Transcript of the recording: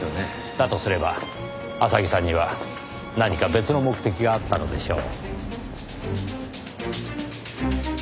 だとすれば浅木さんには何か別の目的があったのでしょう。